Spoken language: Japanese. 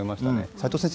齋藤先生